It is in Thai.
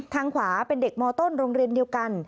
ทางขวาเป็นเด็กมต้นโรงเรียนเดียวกัน